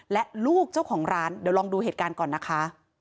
และลูกเจ้าของร้านเดี๋ยวลองดูเหตุการณ์ก่อนนะคะ